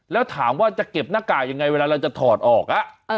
แล้วถามว่าจะเก็บหน้ากากยังไงเวลาเราจะถอดออก